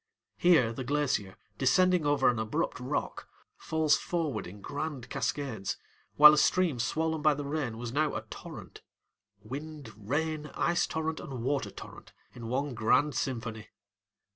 Here the glacier, descending over an abrupt rock, falls forward in grand cascades, while a stream swollen by the rain was now a torrent, ŌĆöwind, rain, ice torrent, and water torrent in one grand symphony.